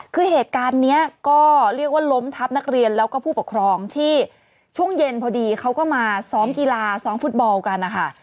คือเหตุการณ์นี้ก็เรียกว่าล้มทับนักเรียนแล้วก็ผู้ปกครองที่ช่วงเย็นพอดีเขาก็มาซ้อมกีฬาซ้อมฟุตบอลกันนะคะ